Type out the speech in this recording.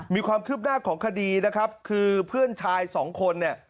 มีความคืบหน้าของคดีนะครับคือเพื่อนชายสองคนเนี่ย